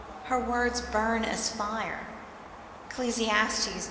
Her words burn as fire, Eccles.